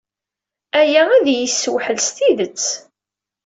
Aya ad iyi-yessewḥel s tidet.